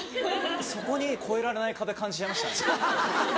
そこに越えられない壁感じちゃいましたね。